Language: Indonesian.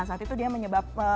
saat itu dia menyebabkan